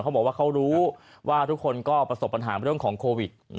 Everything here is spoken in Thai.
เขาบอกว่าเขารู้ว่าทุกคนก็ประสบปัญหาเรื่องของโควิด